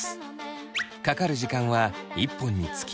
かかる時間は１本につき１秒くらい。